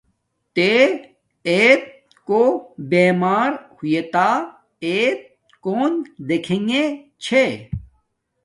تے ایت کو بیمار ہویݷتا ایت کون دیکھیے گے چھے۔